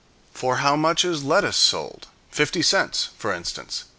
For how much is lettuce sold? Fifty cents, for instance.